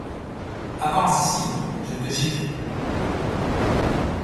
Avance ici que je te gifle !